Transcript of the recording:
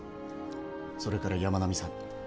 それから山南さん。